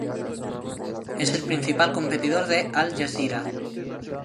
Es el principal competidor de Al Jazeera.